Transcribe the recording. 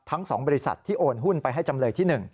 ๒บริษัทที่โอนหุ้นไปให้จำเลยที่๑